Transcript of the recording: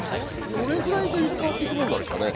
どれぐらいで入れ替わっていくものなんですかね？